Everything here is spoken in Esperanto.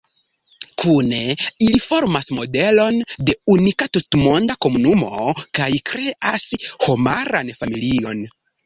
Kune ili formas modelon de unika tutmonda komunumo, kaj kreas homaran familion.